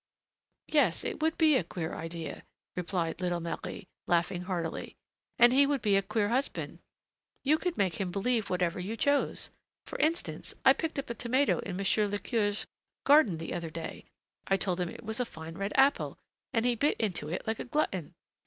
"Yes, it would be a queer idea," replied little Marie, laughing heartily, "and he would be a queer husband. You could make him believe whatever you chose. For instance, I picked up a tomato in monsieur le curé's garden the other day; I told him it was a fine red apple, and he bit into it like a glutton.